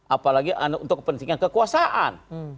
apalagi untuk pentingnya kekuasaan